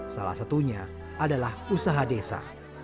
salah satunya adalah usaha desa